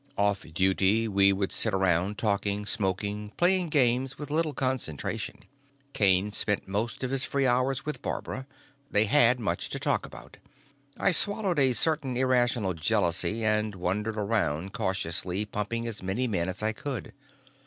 Off duty, we would sit around talking, smoking, playing games with little concentration. Kane spent most of his free hours with Barbara. They had much to talk about. I swallowed a certain irrational jealousy and wandered around cautiously pumping as many men as I could.